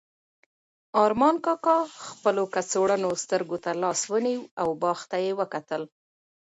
ارمان کاکا خپلو کڅوړنو سترګو ته لاس ونیو او باغ ته یې وکتل.